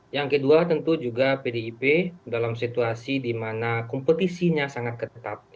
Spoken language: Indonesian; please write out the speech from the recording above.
yang kedua tentu juga pdip dalam situasi di mana kompetisinya sangat ketat